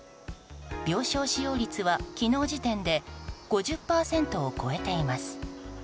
病床使用率は、昨日時点で５０％を超えています。